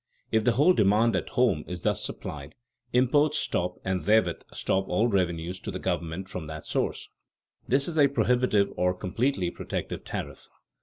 If the whole demand at home is thus supplied, imports stop and therewith stop all revenues to the government from that source. This is a prohibitive or completely protective tariff.